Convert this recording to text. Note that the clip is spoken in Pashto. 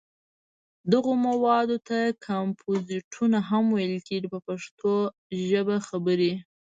دغو موادو ته کمپوزېټونه هم ویل کېږي په پښتو ژبه خبرې.